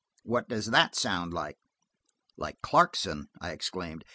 What does that sound like?" "Like Clarkson!" I exclaimed.